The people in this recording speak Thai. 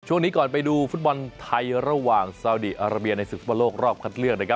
ช่วงนี้ก่อนไปดูฟุตบอลไทยระหว่างซาวดีอาราเบียในศึกฟุตบอลโลกรอบคัดเลือกนะครับ